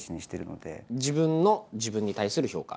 自分の自分に対する評価。